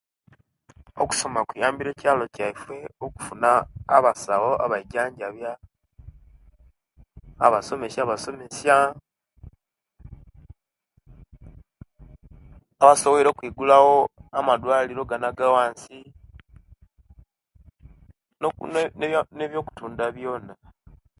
Okusoma kuyambile ekyalo kyaife okufuna abasawo abaijajambya, abasomesya abasomesyaa abasoboile okwigulawo amadwaliro ganu agawansi noku ne ne nebya kutunda byona